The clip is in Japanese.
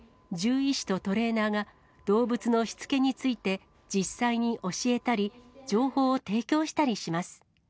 獣医師とトレーナーが、動物のしつけについて、実際に教えたり、情報を提供したりします。